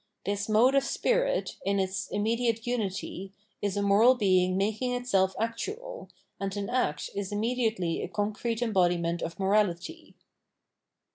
This mode of spirit, in its immediate unity, is a moral being making itself actual, and an act is immediately a con crete embodiment of morality.